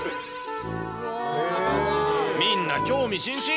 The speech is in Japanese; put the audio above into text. みんな興味津々。